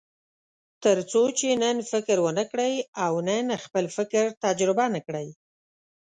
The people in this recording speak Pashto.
تر څو چې نن فکر ونه کړئ او نن خپل فکر تجربه نه کړئ.